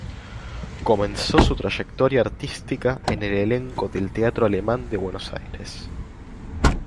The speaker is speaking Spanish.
Comenzó su trayectoria artística en el elenco del Teatro Alemán de Buenos Aires.